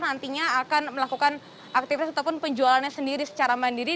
nantinya akan melakukan aktivitas ataupun penjualannya sendiri secara mandiri